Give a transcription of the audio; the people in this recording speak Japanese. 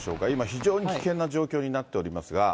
非常に危険な状況になっておりますが。